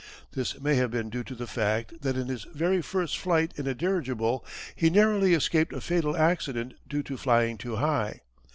This may have been due to the fact that in his very first flight in a dirigible he narrowly escaped a fatal accident due to flying too high.